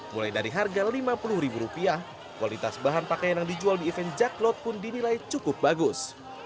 mulai dari harga lima puluh kualitas bahan pakaian yang dijual di event jack clot pun dinilai cukup bagus